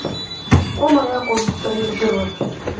Кәынта иакәын сара издыруаз…